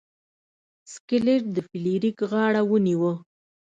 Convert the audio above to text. سکلیټ د فلیریک غاړه ونیوه.